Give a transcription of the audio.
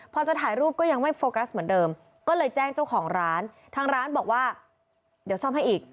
พอจะถ่ายรูปก็ยังไม่โฟกัสเหมือนเดิมก็เลยแจ้งเจ้าของร้านทางร้านบอกว่าเดี๋ยวซ่อมให้อีก